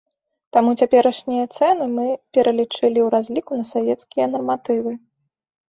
Таму цяперашнія цэны мы пералічылі ў разліку на савецкія нарматывы.